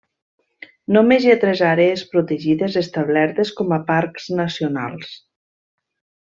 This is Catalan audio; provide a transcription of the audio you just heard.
Només hi ha tres àrees protegides establertes com a parcs nacionals.